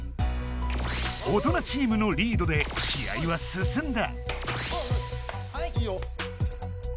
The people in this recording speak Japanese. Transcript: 大人チームのリードで試合はすすんだ。